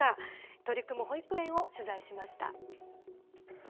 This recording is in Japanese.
取り組む保育園を取材しました。